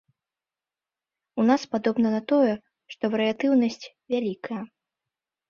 У нас падобна на тое, што варыятыўнасць вялікая.